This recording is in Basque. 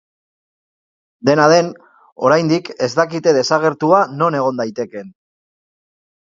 Dena den, oraindik ez dakite desagertua non egon daitekeen.